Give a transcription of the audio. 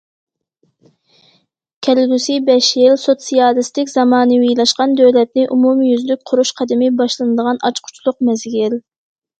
كەلگۈسى بەش يىل سوتسىيالىستىك زامانىۋىلاشقان دۆلەتنى ئومۇميۈزلۈك قۇرۇش قەدىمى باشلىنىدىغان ئاچقۇچلۇق مەزگىل.